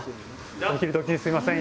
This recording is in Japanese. お昼どきにすいません。